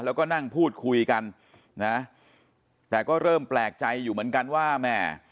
แล้วก็นั่งพูดคุยกันนะแต่ก็เริ่มแปลกใจอยู่เหมือนกันว่าแม่